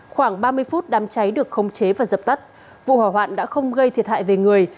khoảng ba mươi phút đám cháy được khống chế và dập tắt vụ hỏa hoạn đã không gây thiệt hại về người